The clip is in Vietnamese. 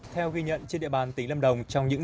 theo ghi nhận trên địa bàn tỉnh lâm đồng